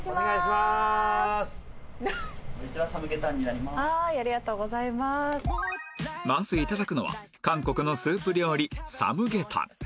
まず頂くのは韓国のスープ料理サムゲタン